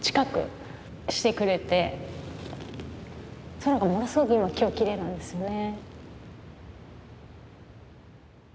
空がものすごく今日きれいなんですね。